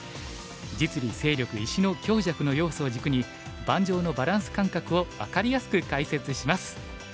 実利勢力石の強弱の要素を軸に盤上のバランス感覚を分かりやすく解説します。